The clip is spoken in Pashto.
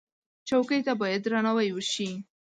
چوکۍ ته باید درناوی وشي.